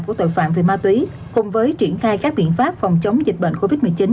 của tội phạm về ma túy cùng với triển khai các biện pháp phòng chống dịch bệnh covid một mươi chín